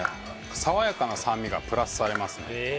さわやかな酸味がプラスされますね